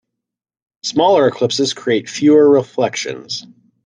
Smaller ellipses create fewer reflections.